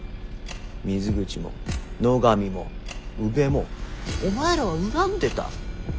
水口も野上も宇部もお前らは恨んでた。